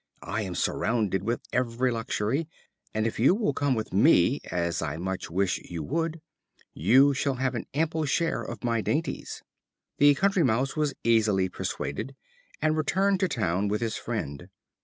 I am surrounded with every luxury, and if you will come with me, as I much wish you would, you shall have an ample share of my dainties." The Country Mouse was easily persuaded, and returned to town with his friend.